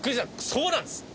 そうなんです！